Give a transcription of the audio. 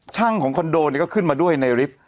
ช่างของคอนโดเนี่ยก็ขึ้นมาด้วยในลิฟต์